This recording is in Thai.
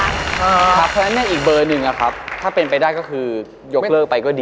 เพราะฉะนั้นอีกเบอร์หนึ่งนะครับถ้าเป็นไปได้ก็คือยกเลิกไปก็ดี